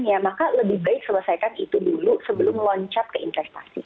ya maka lebih baik selesaikan itu dulu sebelum loncat ke investasi